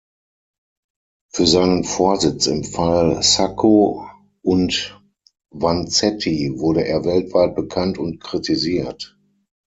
Für seinen Vorsitz im Fall Sacco und Vanzetti wurde er weltweit bekannt und kritisiert.